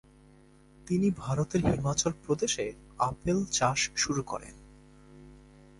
তিনি ভারতের হিমাচল প্রদেশে আপেল চাষ শুরু করেন ।